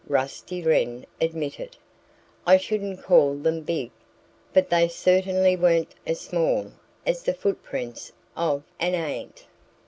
Rusty Wren admitted. "I shouldn't call them big. But they certainly weren't as small as the footprints of an ant."